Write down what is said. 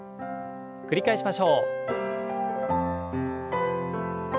繰り返しましょう。